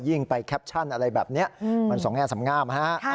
ไปแคปชั่นอะไรแบบนี้มันสองแง่สำงามฮะ